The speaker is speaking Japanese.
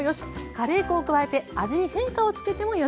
カレー粉を加えて味に変化をつけてもよし。